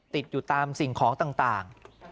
ติดอยู่ตามสิ่งของต่าง